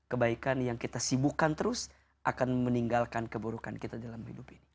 kebaikan yang kita sibukkan terus akan meninggalkan keburukan kita dalam hidup ini